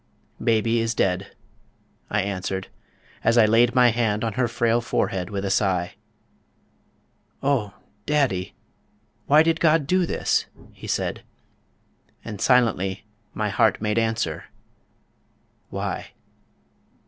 "Baby is dead," I answered, as I laid My hand on her frail forehead with a sigh; "Oh! daddy, why did God do this?" he said, And silently my heart made answer, "Why?"